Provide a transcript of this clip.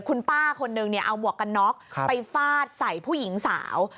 คุณป้าคนนึงเนี่ยเอาหมวกกันน็อกไปฟาดใส่ผู้หญิงสาว